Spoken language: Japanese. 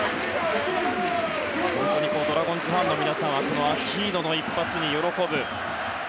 ドラゴンズファンの皆さんはアキーノの一発に喜ぶ。